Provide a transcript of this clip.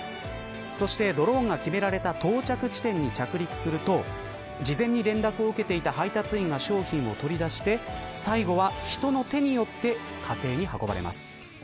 そして、ドローンが決められた到着地点に着陸すると事前に連絡を受けていた配達員が商品を取り出して最後は人の手によって家庭に運ばれます。